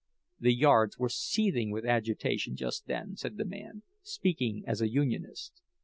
The yards were seething with agitation just then, said the man, speaking as a unionist.